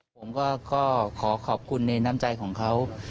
ผมก็ขอขอบคุณในน้ำใจของเขา